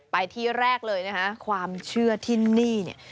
ไปที่แรกเลยนะคะความเชื่อที่นี่เนี่ย